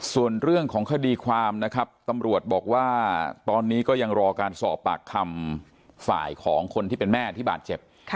ส่วนเรื่องของคดีความนะครับตำรวจบอกว่าตอนนี้ก็ยังรอการสอบปากคำฝ่ายของคนที่เป็นแม่ที่บาดเจ็บ